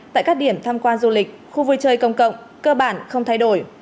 tại các điểm tham quan du lịch khu vui chơi công cộng cơ bản không thay đổi